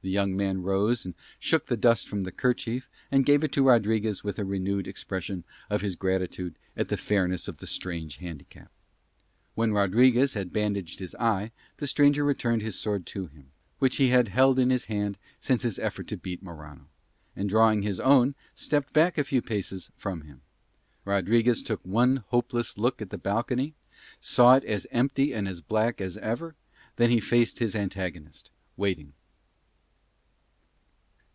The young man rose and shook the dust from the kerchief and gave it to Rodriguez with a renewed expression of his gratitude at the fairness of the strange handicap. When Rodriguez had bandaged his eye the stranger returned his sword to him, which he had held in his hand since his effort to beat Morano, and drawing his own stepped back a few paces from him. Rodriguez took one hopeless look at the balcony, saw it as empty and as black as ever, then he faced his antagonist, waiting.